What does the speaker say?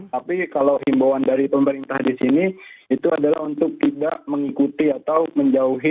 tapi kalau himbauan dari pemerintah di sini itu adalah untuk tidak mengikuti atau menjauhi